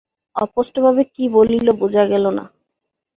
অস্পষ্টভাবে কি বলিল ভালো বোঝা গেল না।